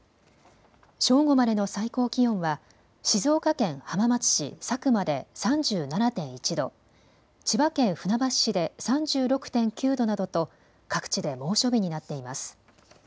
正午までの最高気温は静岡県浜松市佐久間で３７．１度、千葉県船橋市で３６．９度などと各地で猛暑日になっています。